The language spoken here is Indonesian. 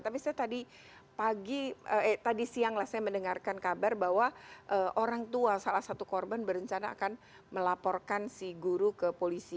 tapi saya tadi pagi eh tadi siang lah saya mendengarkan kabar bahwa orang tua salah satu korban berencana akan melaporkan si guru ke polisi